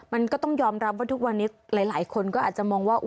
มันก็ต้องยอมรับว่าทุกวันนี้หลายคนก็อาจจะมองว่า